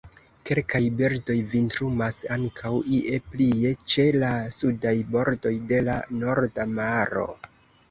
Kelkaj birdoj vintrumas ankaŭ ie plie ĉe la sudaj bordoj de la Norda Maro.